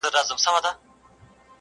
• پلار ورو ورو کمزوری کيږي ډېر,